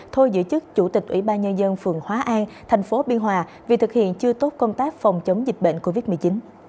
thôi giữ chức chủ tịch ủy ban nhân dân phường hóa an thành phố biên hòa vì thực hiện chưa tốt công tác phòng chống dịch bệnh covid một mươi chín